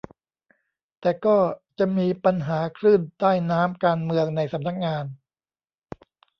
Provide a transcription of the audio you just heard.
แต่ก็จะมีปัญหาคลื่นใต้น้ำการเมืองในสำนักงาน